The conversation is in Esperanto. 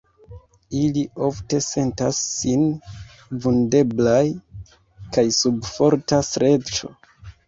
Ili ofte sentas sin vundeblaj kaj sub forta streĉo.